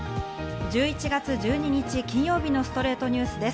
１１月１２日、金曜日の『ストレイトニュース』です。